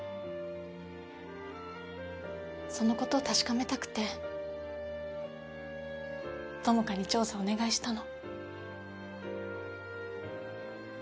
そのことを確かめたくて朋香に調査お願いしたの。